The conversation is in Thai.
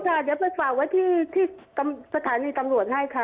ค่ะเดี๋ยวไปฝากไว้ที่สถานีตำรวจให้ค่ะ